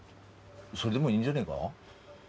それでもいいんじゃねえが？